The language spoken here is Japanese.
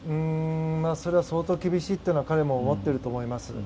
それは相当厳しいっていうのは彼も思っていると思います。